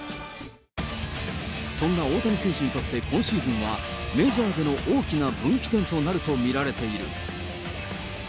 そんな大谷選手にとって、今シーズンはメジャーでの大きな分岐点となると見られている。